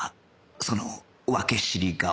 その訳知り顔